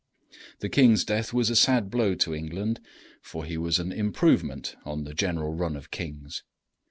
The king's death was a sad blow to England, for he was an improvement on the general run of kings.